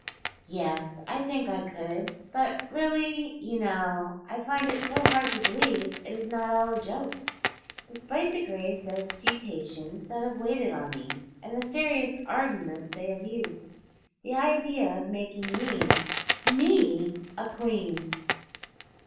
"Yes, I think I could. But really, you know, I find it so hard to believe it is not all a joke, despite the grave deputations that have waited on me, and the serious arguments they have used. The idea of making me Me a Queen!"